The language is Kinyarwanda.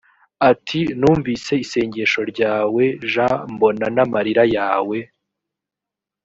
ati numvise isengesho ryawe j mbona n amarira yawe